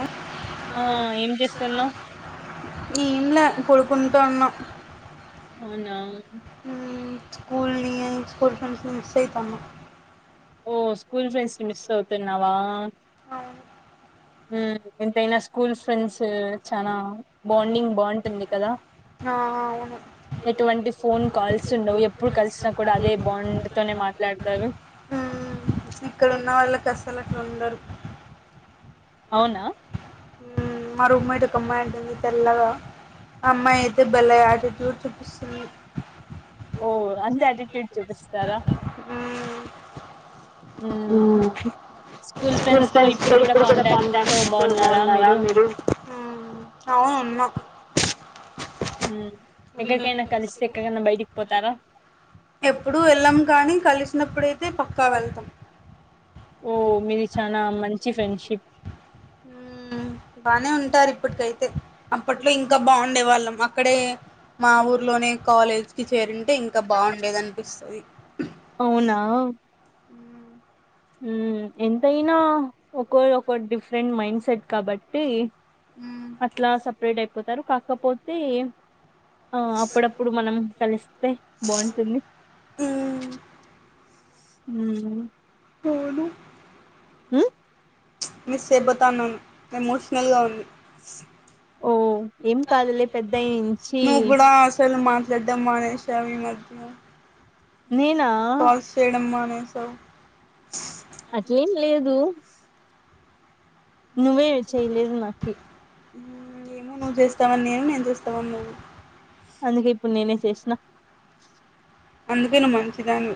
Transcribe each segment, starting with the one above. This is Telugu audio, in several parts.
ఆ ఆ ఏం ఆ చేస్తున్నావ్ ఎంలే పడుకుంటాఉన్నా అవునా ఉ స్కూల్ ని స్కూల్ హు సేపు అమ్మ ఓ స్కూల్ ఫ్రెండ్స్ ని మిస్ అవుతున్నావా అవును ఉ ఎంతైనా స్కూల్ ఫ్రెండ్స్ చానా బాండింగ్ బాగుంటుంది కదా ఆ అవును ఎటువంటి ఫోన్ కాల్స్ ఉండవు ఎప్పుడు కలిసినా కూడా అదే బాండుతోనే మాట్లాడతారు మ్మ్ ఇక్కడ ఉన్న వాళ్ళకి అస్సలు అట్లా ఉండరు అవునా మా రూమ్మేట్ ఒక అమ్మాయ్ హా తెల్లగా అమ్మాయి అయితే బలే ఆటిట్యూడ్ చూపిస్త హు ఓ అంత అటిట్యూడ్ చూపిస్తారా హూ మ్మ్ అవును ఫ్రెండ్స్ తో ఇప్పుడు కూడా కాంటాక్ట్ తో బాగున్నారా మీరు ఉన్నాం ఉమ్ ఎక్కడికైనా కలిస్తే ఎక్కడికైనా బయటికి పోతారా ఎప్పుడు వెళ్ళాం కానీ కలిసినప్పుడైతే పక్కా వెళ్తాం ఓ మీది చానా మంచి ఫ్రెండ్షిప్ ఉమ్ బానే ఉంటారు ఇప్పటికైతే అప్పట్లో ఇంకా బాగుండే వాళ్ళం అక్కడే మా ఊర్లోనే కాలేజ్ కి చేరింటే ఇంకా బాగుండేదినిపిస్తుంది అవునా ఉమ్ ఎంతయినా ఒకోరిది ఒకో డిఫరెంట్ మైండ్ సెట్ కాబట్టి ఉమ్ పోతారు కాకపోతే ఆ అప్పుడప్పుడు మనం కలిస్తే బాగుంటుంది మ్మ్ ఉమ్ కోదు ఉమ్ మిస్ అయిపోతాన్నాను ఎమోషనల్ గా ఉంది ఓ ఏం కాదులే పెద్దయి నుంచి నువ్వు కూడా అసలు మా చెడ్డమానేష అవి ఈ మధ్యా నేనా కాల్స్చేయడం మానే ఆ స అట్లెం లేదు నువ్వే చేయలేదు నాకి ఏమో నువ్వు చేస్తావని నేను నేను చూస్తావని నువ్వు అందుకే ఇప్పుడు నేనే చేసిన అందుకేను్వు మంచిదానీవి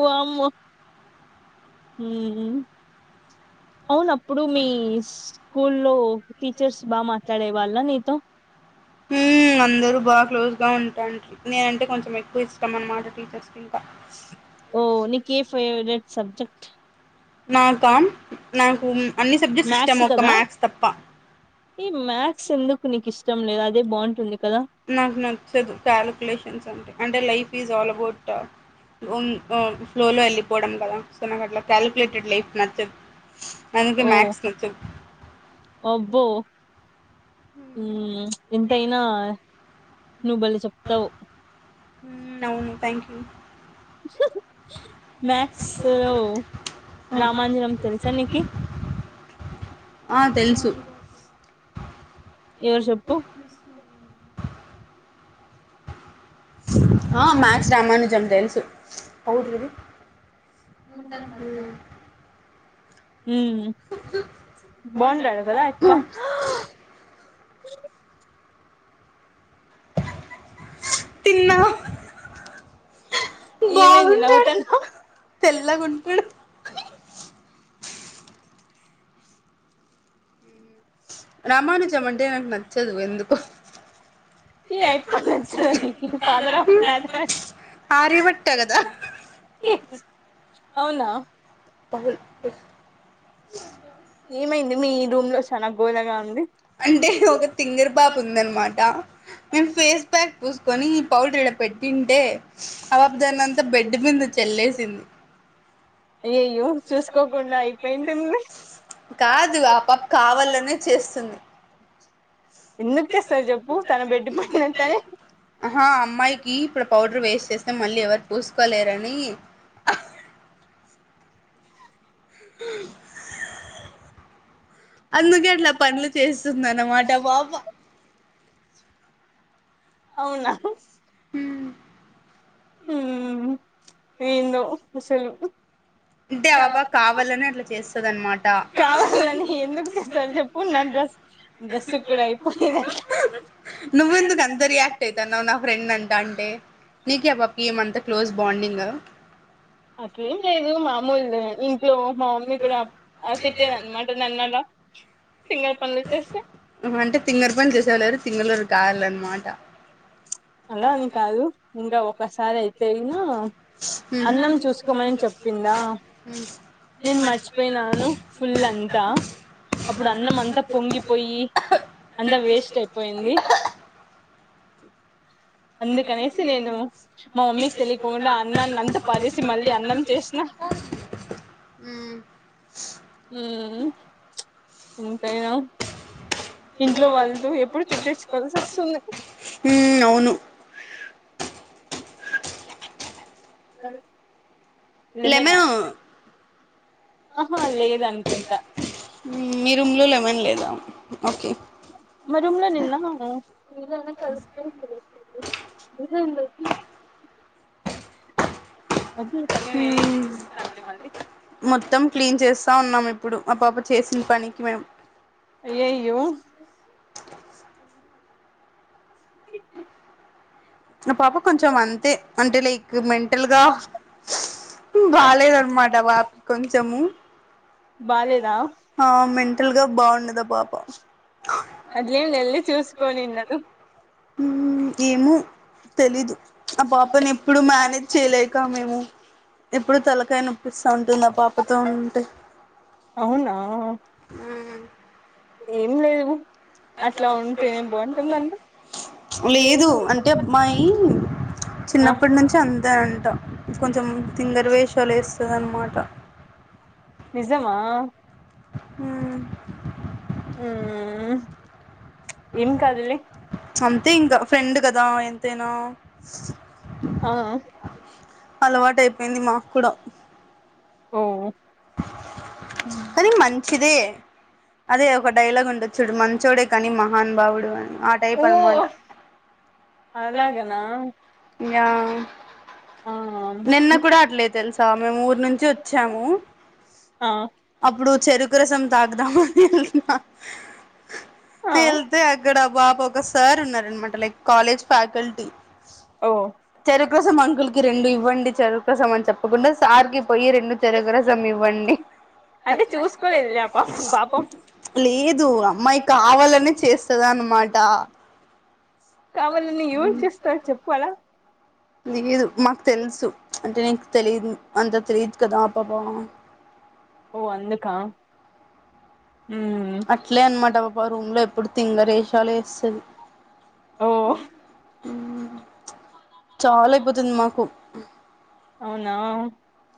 వామ్మో హ్మ్మ్ అవున అప్పుడు మీ స్కూల్లో టీచర్స్ బాగా మాట్లాడే వాళ్ళ నీతో ఉమ్ అందరూ బాగా క్లోజ్గా ఉంటాండ్రీ నేనంటే కొంచెం ఎక్కువ ఇష్టం అన్నమాట టీచర్స్ కి ఇంకా ఓ నీకి ఫేవరెట్ సబ్జ్ నాకా నాకు అన్ని సబ్జెస్స్ ఇష్టము, మ్యాథ్స్ ఒక కదా మ్యాక్స్ తప్ప ష్టం లేదు అదే బాంటుంది. నాకు నచ్చదు కాలకులేషన్స్ అంటే అంటే లైఫ్ ఈజ్ ఆల్ అబౌట్ ఉన్ ఉ ఫ్లోలో ఎళ్ళిపోడం వల్ల, సో నాకట్లా కాలిక్ లేటెడ్ లైఫ్ నచ్చద్. ఓ, అబ్బో హు ఎంతైనా నువ్వు భలె చెప్తావు. హ్ం అవును థ్యాంక్ యూ మాక్స్ సెవ్ రామాంజనం తెల్సా నీకి ఆ తెల్సు ఏ ఎవరు చెప్పు ఆ మ్యాక్స్ రామానుజం థెల్సు హు, బాండాడు కదా అయిప్ప తిన్నా, ఏమైంది బావుంటాడు నవ్వుతన్నావ్ తెల్లవుంటడు. రామానుజం అంటే నాకు నచ్చదు ఎందుకో ఏ అయప్ప నచ్చదు అది, ఫాదర్ ఆఫ్ ఆర్యభట్ట కదా [unintelligible] అవునా పహుల్ ఏమైంది మీ రూమ్ లో చాన గోనగా ఉంది. అంటే ఒక థింగర్ పాప ఉందనమాట, మేమ్ ఫేస్ ప్యాక్ పూసుకొని పౌడర్ ఇడ పెట్టింటే, ఆ పాప దాన్నంతా బెడ్డ్ మీద చెల్లేేసింది. అయ్యయ్యో చూసుకోకుండా అయ్ పెయింటుంది. కాదు ఆ పాప [inaudible] తన బెడ్ పైన తనే ఆహ, ఆ అమ్మాయికి ఇప్పర పౌడర్ వేస్ట్ చేస్తే మళ్ళీ ఎవర్ పూసుకోలేరని ఆహ్ అందుకే అట్ల పనులు చేస్సుందన్నమాట ఆ వాప స్ అవునా హు హు, ఏందో అసలు అంటే ఆ పాప కావాలనె అట్ల చేస్సదనమాట, కావాలని ఎందుకు చేస్తారు చెప్పు నా డ్రెస్ డ్రెస్ కూడా అయిపోయేది అట్లా నువ్వు ఎందుకు అంత రియాక్ట్ అయితాన్నవ్ నా ఫ్రెండ్న్ ని అంటా అంటే నీకి ఆ పాప్కి ఏమంతా క్లోజ్ బాండింగా అట్లేం లేదు మా అమ్మోళ్ళు ఉన్నారే ఇంట్లో మా మమ్మీ కూడా అ తిట్టేదన్నమాట నన్ను అలా ఫింగర్ పనులు చేస్తే ఆహా అంటే తింగరు పనులు చేసేవోలు తింగళోరు కావాలన్నమాట అలా అని కాదు ఇంగా మసాల చైన్ మ్మ్ అన్నం చూసుకోమని అందుకనేసి నేను మా మమ్మీ కి తెలియకుండా అన్నాన్ని అంతా పారేసి మళ్లీ అన్నం చేసిన [inaudible] మ్ ఎంతైనా ఇంట్లో వాళ్ళతో ఎప్పుడు తిట్టించుకోవాల్సి వస్తుంది అవును లాల్ లెమన్ ఆ ఆహా లేదనుకుంటా మీ రూమ్ లో లెమన్ లేదా ఓకే మా రూమ్ లో నిన్న [inaudible] మ్ మొత్తం క్లీన్ చేస్తా ఉన్నాం ఇప్పుడు ఆ పాపకి చేసిన పనికి మేము అయ్యయ్యో ఆ పాప కొంచెం అంతే అంటే లైక్ మెంటల్గా బాలేదన్నమాట ఆ పాపకి కొంచెము బాలేదా ఆ మెంటల్గా బాగుండదు ఆ పాప అట్లేం వెళ్ళి చూసుకోనిన్నదు మ్ ఏమో తెలీదు ఆ పాపని ఎప్పుడు మేనేజ్ చేయలేక మేము ఎప్పుడు తలకాయ నొప్పిస్తా ఉంటుంది ఆ పాపతో ఉంటే అవునా మ్మ్ ఏం లేవు లేదు అంటే అమ్మాయి ఆ చిన్నప్పటి నుంచి అంతే అంటా కొంచెం తింగరి వేషాలు వేస్తది అన్నమాట నిజమా మ్ మ్ అంతే ఇంక ఫ్రెండ్ కదా ఎంతైనా ఆ [inaudible] అలవాటైపోయింది మా కుడ ఓ [unintelligible] కానీ మంచిదే అదే ఒక డైలాగ్ ఉంటదిచుడు మంచోడే కానీ మహాను బావుడు అని ఆ టైప్ ఓ అనమాట అలాగనా యా ఆ నిన్న కూడా అట్లే తెలుసా మేము ఊరు నుంచి వచ్చాము ఆ అప్పుడు చెరుక్ రసం తాగుదామని వెళ్లిన ఆ వెళ్తే అక్కడ బాప ఒకసారి ఉన్నారన్నమాట లైక్ కాలేజ్ ఫ్యాకల్టీ ఓ కోసం అంకుల్ కి రెండు ఇవ్వండి చెరు రసం అని చెప్పకుండా సార్ కి పోయి రెండు చెరకు రసం ఇవ్వండి అంటే చూసుకోలేదులే ఆ పాపం పాపం లేదు అమ్మాయి కావాలనే చేస్తద అన్నమా ట కావాలని ఎవరు చేస్తారు చెప్పు అలా లేదు మాకు తెలుసు అంటే నీకు తెలిదు అంత తెలీయదు కదా అ పాప ఓ అందుకా మ్మ్ అట్లే అన్నమాట ఆ పాప రూమ్ లో ఎప్పుడు తింగరేషాలు ఏస్తది ఓ చాల అయిపోతుంది మాకు అవునా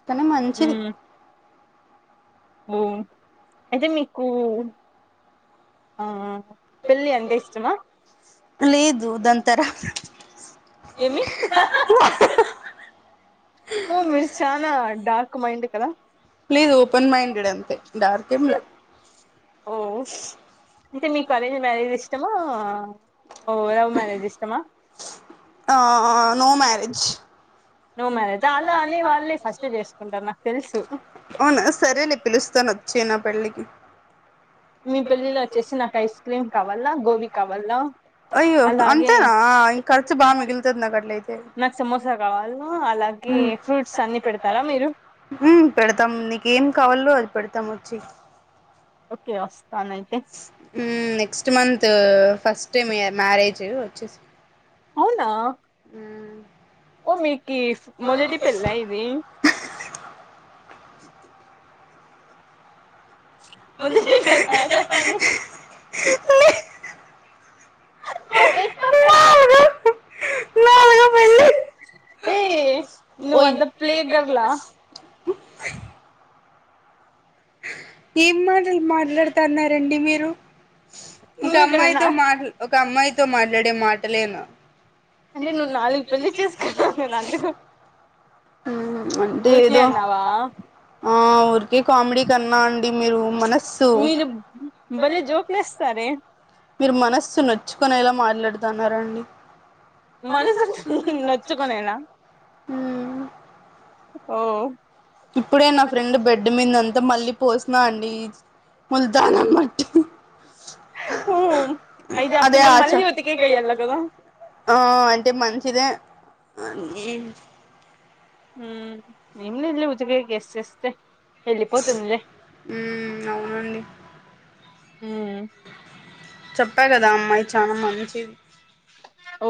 కానీ ఉ మంచిది అయితే మీకు ఆ పెళ్ళి అంటే ఇష్టమా లేదు దాని తర్వాత ఊను మీరు చలా డార్క్ మైండ్ కదా లేదు ఓపన్ మైండెడ్ అంతే డార్కేం ల్యా ఓ అంటే మీకు అరేంజ్డ్ మ్యారేజ్ ఇష్టమా ఆ ఓ లవ్ మ్యారేజ్ ఇష్టమా ఆ నో మ్యారేజ్ నో మ్యారేజా అలా అనె వాళ్ళే ఫస్ట్ చేసుకుంటారు నాకు తెలుసు అవునా సరేలే పిలుస్తాను వచ్చేయి నా పెళ్ళికి మీ పెళ్లిళొ వచ్చేసి నాకు ఐస్ క్రీమ్ కావల్ల గోబి కావల్ల అయ్యో అంతేనా ఇంగ ఖర్చు బాగా మిగుల్చుతుంది నా కట్లైతే కాల్ మీరు ఉమ్ పెడతాం నీకేం కావాలో అది పెడ్ తాము వచ్చేయ్ ఒకే వస్ ఉ నెక్స్ట్ మంత్ ఫస్ట్ టైమే ర్ మ్యారేజ్ వచ్చేసి అవునా మీ కిఫు మొదటి పెళ్ళ ఇది ముందుడి చెప్పండి నాలుగో పెళ్లి ఏ నువ్ ఓయ్ అంత ప్లే గర్లా ఎం మాటలు మాట్లాడు తన్నా రండి మీరు ఒక నువ్వే కదా నా అమ్మాయితో మాటల్ ఒక అమ్మాయితో మాట్లాడే మా తెలియను అంటే నువ్వు నాలుగు పెళ్లి చేసుకున్న నేను అన్లేదు ఉ ఊరుకినే అన్నావా ఆ ఊరికే కామెడీ కన్నా అండి మీరు మనస్సు మీరు భలే జోకులేస్తారే మీరు మనస్సు నొచ్చుకొనేలా మాట్లాడుతున్నారాండి మనుసోచు నొచ్చుకునేనా ఉమ్ ఓ ఇప్పుడే నా ఫ్రెండ్ బెడ్ మీద అం త మళ్ళీ పోసినా అండి ముల్తాన మట్టి ఉ అయితే అ అదే పిల్ల ఆచ మళ్ళీ ఉతికేకు ఏయాలా గాదా ఆ అంటే మంచిదే ఉ ఏంలేదు లే ఉతికేకు ఎసేస్తే వెళ్ళిపోతుందిలే ఉ అవునండి ఉమ్ చెప్పా గదా అమ్మాయి చాలా మంచి ఇవు ఓ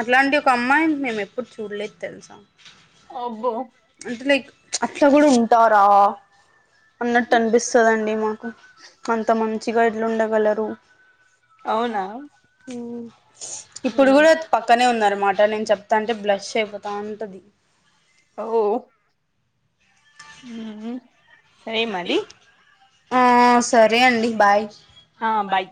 అట్లాంటి ఒక అమ్మాయిని మేము ఎప్పుడు చూడలేదు తెలుసా అబ్బో అంటే లైక్ అట్లా కూడా ఉంటారా అన్నట్టు అనిపిస్తదండి మాకు అంత మంచిగా ఎట్ల ఉండగలరు అవునా ఉ పక్కనే ఉందనమాట నేను చెప్తంటే బ్లష్ అయిపోతంటది ఉ ఆ సరే అండి బాయ్ ఆ బాయ్